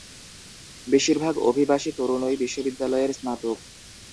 বেশিরভাগ অভিবাসী তরুণই বিশ্ববিদ্যালয়ের স্নাতক।